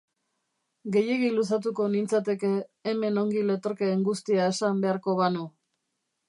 Gehiegi luzatuko nintzateke hemen ongi letorkeen guztia esan beharko banu.